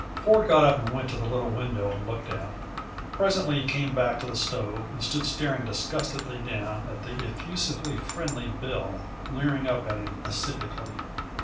Ford got up and went to the little window and looked out. Presently he came back to the stove and stood staring disgustedly down upon the effusively friendly Bill, leering up at him pacifically.